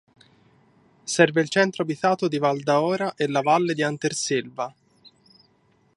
Serve il centro abitato di Valdaora e la Valle di Anterselva.